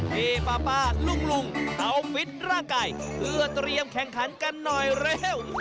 พี่ป๊าป้าลุงเอาฟิตร่างกายเพื่อเตรียมแข่งขันกันหน่อยเร็ว